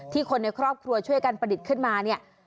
คนในครอบครัวช่วยกันประดิษฐ์ขึ้นมาเนี่ย